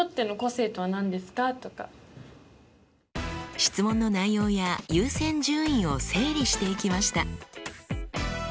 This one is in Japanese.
質問の内容や優先順位を整理していきました。